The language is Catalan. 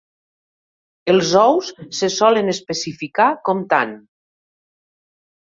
Els ous se solen especificar comptant.